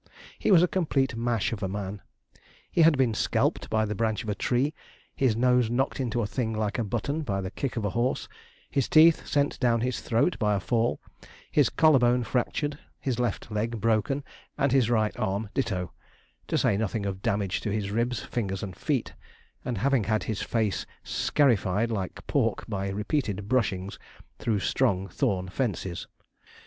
He was a complete mash of a man. He had been scalped by the branch of a tree, his nose knocked into a thing like a button by the kick of a horse, his teeth sent down his throat by a fall, his collar bone fractured, his left leg broken and his right arm ditto, to say nothing of damage to his ribs, fingers, and feet, and having had his face scarified like pork by repeated brushings through strong thorn fences.